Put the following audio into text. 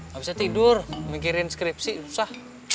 gak bisa tidur mikirin skripsi susah